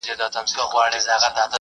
یو اوزګړی د کوهي خولې ته نیژدې سو ,